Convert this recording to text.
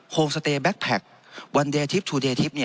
โฮมสเตยแบ็คแพ็ควันเดียทิปทูเดยทิป